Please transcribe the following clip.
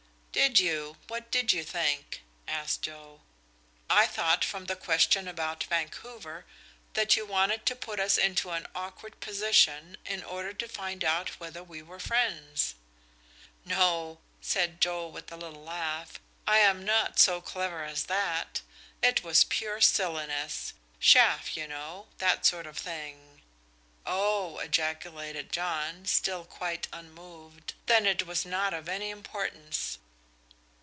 "Did you? What did you think?" asked Joe. "I thought from the question about Vancouver that you wanted to put us into an awkward position in order to find out whether we were friends." "No," said Joe, with a little laugh, "I am not so clever as that. It was pure silliness chaff, you know that sort of thing." "Oh," ejaculated John, still quite unmoved, "then it was not of any importance."